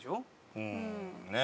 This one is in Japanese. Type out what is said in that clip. うんねえ。